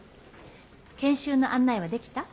研修の案内はできた？